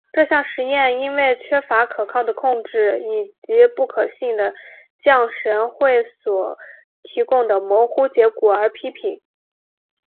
这项实验因为缺乏可靠的控制以及不可信的降神会所提供的模糊结果而被批评。